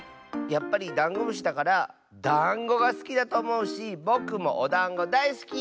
やっぱりダンゴムシだからだんごがすきだとおもうしぼくもおだんごだいすき。